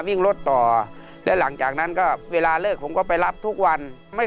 วิ่งรถต่อและหลังจากนั้นก็เวลาเลิกผมก็ไปรับทุกวันไม่